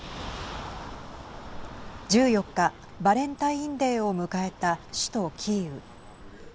１４日バレンタインデーを迎えた首都キーウ。